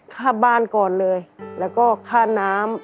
ค่าบ้านก่อนเลยแล้วก็ค่าน้ำ